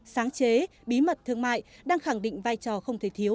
sáng chế bí mật thương mại đang khẳng định vai trò không thể thiếu